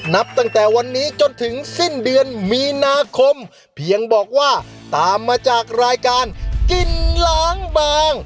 นับตั้งแต่วันนี้จนถึงสิ้นเดือนมีนาคมเพียงบอกว่าตามมาจากรายการกินล้างบาง